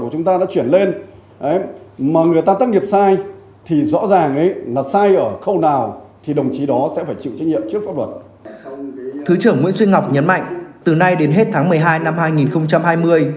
thứ trưởng nguyễn duy ngọc nhấn mạnh từ nay đến hết tháng một mươi hai năm hai nghìn hai mươi